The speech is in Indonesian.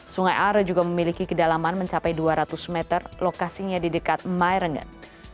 sungai are juga memiliki kedalaman mencapai dua ratus meter lokasinya di dekat miringen